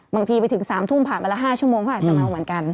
บางทีไปถึง๓ทุ่มผ่านไปละ๕ชั่วโมงเขาอาจจะเมาเหมือนกัน